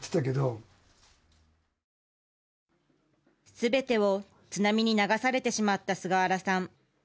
全てを津波に流されてしまった菅原さん。